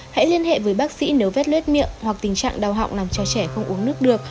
hãy liên hệ với bác sĩ nếu vết lướt miệng hoặc tình trạng đau họng làm cho trẻ không uống nước được